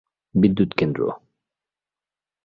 বিদ্যুৎ কেন্দ্র